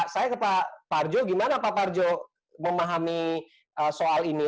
saya ke pak parjo gimana pak parjo memahami soal ini